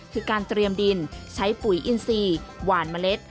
คือการเตรียมดินใช้ปุ๋ยอินซีหวานเมล็ด